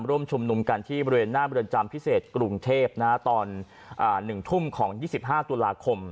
ร่วมชุมนุมกันที่บริเวณหน้าเรือนจำพิเศษกรุงเทพตอน๑ทุ่มของ๒๕ตุลาคม